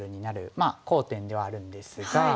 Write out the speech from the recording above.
まあ好点ではあるんですが。